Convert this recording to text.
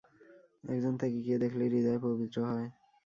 একজন ত্যাগীকে দেখলেই হৃদয় পবিত্র হয়।